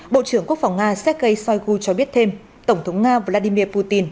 bộ trưởng quốc phòng nga sergei shoigu cho biết thêm tổng thống nga vladimir putin